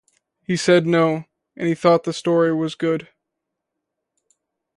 He said no, and he thought the story was good.